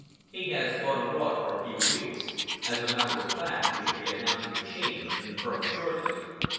"He has gone abroad for a few weeks. As a matter of fact, we shall be announcing a change in the firm shortly."